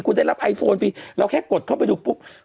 คุณได้รับไอโฟนฟรีเราแค่กดเข้าไปดูปุ๊บ